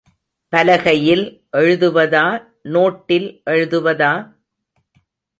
பலகையில் எழுதுவதா நோட்டில் எழுதுவதா?